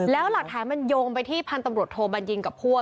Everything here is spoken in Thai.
แล้วหลักถามันโยงไปที่พันธมรวชโฮบันยินกับพวก